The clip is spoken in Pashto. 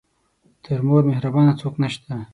تر مور مهربانه څوک نه شته .